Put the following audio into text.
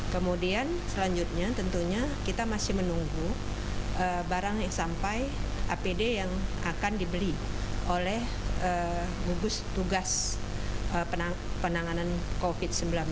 kemudian selanjutnya tentunya kita masih menunggu barang yang sampai apd yang akan dibeli oleh gugus tugas penanganan covid sembilan belas